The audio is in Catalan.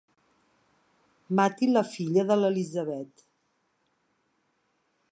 Mati la filla de l'Elisabet.